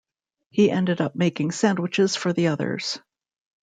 He ended up making sandwiches for the others.